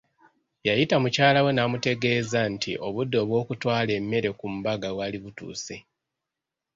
Yayita mukyala we namutegeeza nti obudde obw’okutwala emmere ku mbaga bwali butuuse.